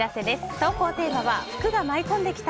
投稿テーマは福が舞い込んできた！